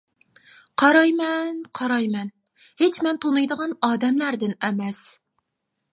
قارايمەن، قارايمەن، ھېچ مەن تونۇيدىغان ئادەملەردىن ئەمەس.